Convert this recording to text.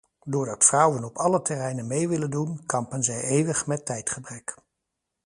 Doordat vrouwen op alle terreinen mee willen doen, kampen zij eeuwig met tijdgebrek.